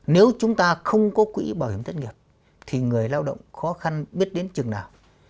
nếu chúng ta không có quỹ bảo hiểm thất nghiệp thì người lao động khó khăn biết đến chừng nào